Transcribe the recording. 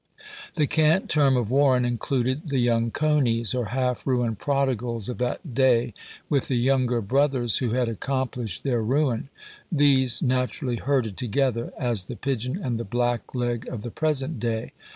The cant term of "warren" included the young coneys, or half ruined prodigals of that day, with the younger brothers, who had accomplished their ruin; these naturally herded together, as the pigeon and the black leg of the present day.